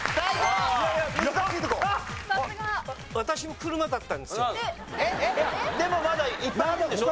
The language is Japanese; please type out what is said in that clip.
さすが！でもまだいっぱいあるんでしょ？